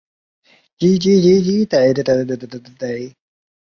另外今上天皇明仁与皇后美智子当年。